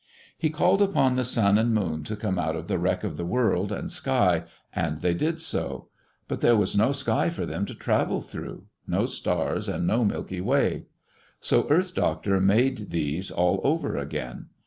He called upon the sun and moon to come out of the wreck of the world and sky, and they did so. But there was no sky for them to travel through, no stars, and no Milky Way. So Earth Doctor made these all over again.